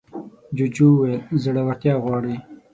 جوجو وویل زړورتيا غواړي.